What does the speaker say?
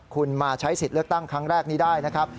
คุณมาใช้สิทธิ์เลือกตั้งครั้งแรกนี้ได้นะครับ